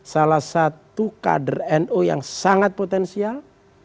salah satu kader nu yang sangat potensial